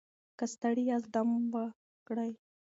که ستړي یاست دم وکړئ.